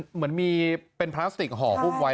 เหมือนมีเป็นพลาสติกห่อหุ้มไว้